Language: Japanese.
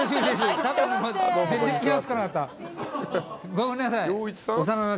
ごめんなさい。